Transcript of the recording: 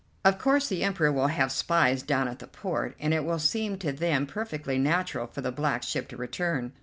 Of course the Emperor will have spies down at the port, and it will seem to them perfectly natural for the black ship to return.